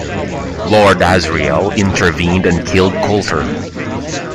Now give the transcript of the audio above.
Lord Asriel intervened and killed Coulter.